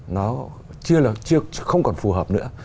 nó chưa không còn phù hợp nữa